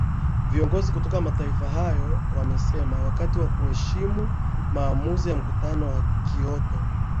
viongozi kutoka mataifa hayo wamesema wakti wa kuheshimu maamuzi ya mkutano kioto